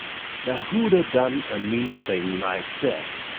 Now who'da done a mean thing like that?